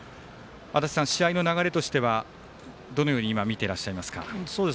試合の流れとしてはどのように見ていらっしゃいますか？